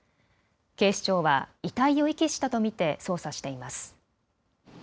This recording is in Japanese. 警視庁は遺体を遺棄したと見て捜査しています。